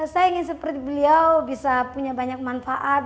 saya ingin seperti beliau bisa punya banyak manfaat